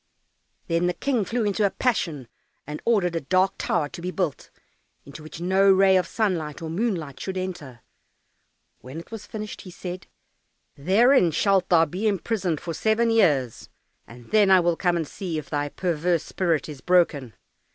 Then the King flew into a passion, and ordered a dark tower to be built, into which no ray of sunlight or moonlight should enter. When it was finished, he said, "Therein shalt thou be imprisoned for seven years, and then I will come and see if thy perverse spirit is broken."